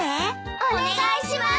お願いします。